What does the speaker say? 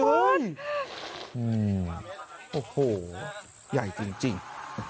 อืมโอ้โหแย่จริง